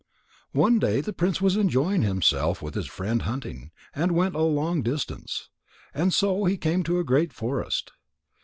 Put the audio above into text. One day the prince was enjoying himself with his friend hunting, and went a long distance. And so he came to a great forest.